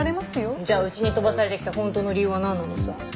じゃあうちに飛ばされてきた本当の理由はなんなのさ。